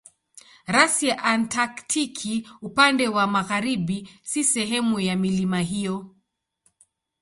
Rasi ya Antaktiki upande wa magharibi si sehemu ya milima hiyo.